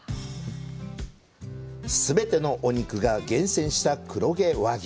全てのお肉が、厳選した黒毛和牛！